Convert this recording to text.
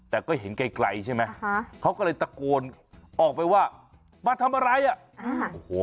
แต่ก็เห็นไกลใช่ไหมเขาก็เลยตะโกนออกไปว่ามาทำอะไรอ่ะโอ้โห